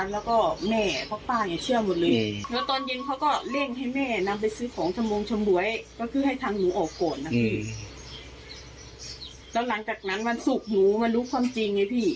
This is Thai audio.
แล้วหลังจากนั้นวันศุกร์หนูมารู้ความจริงไงพี่